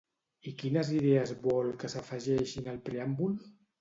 I quines idees vol que s'afegeixin al preàmbul?